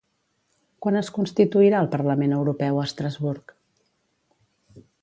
Quan es constituirà el Parlament Europeu a Estrasburg?